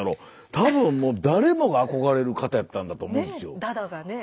多分もう誰もが憧れる方やったんだと思うんですよ。ねぇ。